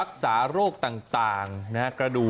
ขอบคุณครับ